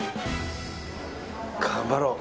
頑張ろう。